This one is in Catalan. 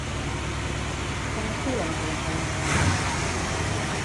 Com es diu la noia que li agrada?